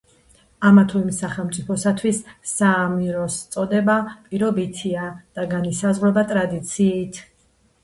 ამა თუ იმ სახელმწიფოსათვის საამიროს წოდება პირობითია და განისაზღვრება ტრადიციით.